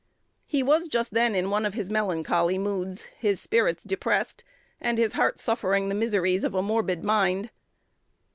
He was just then in one of his melancholy moods, his spirits depressed, and his heart suffering the miseries of a morbid mind.